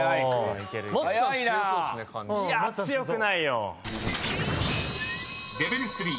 いや強くないよ。